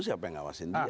siapa yang ngawasin dia